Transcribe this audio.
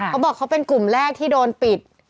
เขาบอกเขาเป็นกลุ่มแรกที่โดนปิด